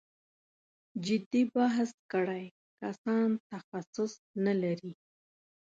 جدي بحث کړی کسان تخصص نه لري.